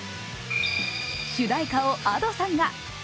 主題歌をＡｄｏさんが。